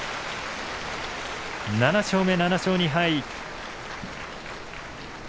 ７勝目、７勝２敗。